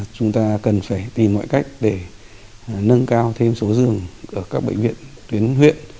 chúng ta cần phải tìm mọi cách để nâng cao thêm số giường ở các bệnh viện tuyến huyện